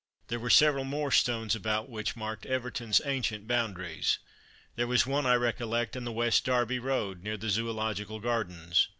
There were several more stones about which marked Everton's ancient boundaries. There was one, I recollect, in the West Derby road, near the Zoological Gardens.